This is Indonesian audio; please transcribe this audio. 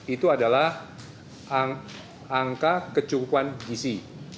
itu adalah angka kecukupan gisi